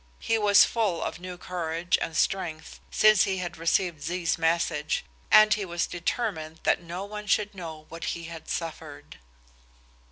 He was full of new courage and strength since he had received Z's message, and he was determined that no one should know what he had suffered.